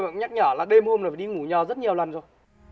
và cũng nhắc nhở là đêm hôm này phải đi ngủ nhờ rất nhiều lần rồi